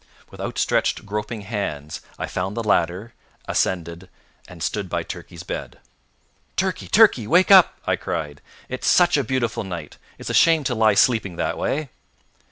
With outstretched groping hands I found the ladder, ascended, and stood by Turkey's bed. "Turkey! Turkey! wake up," I cried. "It's such a beautiful night! It's a shame to lie sleeping that way."